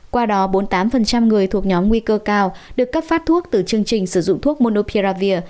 qua đó bốn mươi tám người thuộc nhóm nguy cơ cao được cấp phát thuốc từ chương trình sử dụng thuốc monopia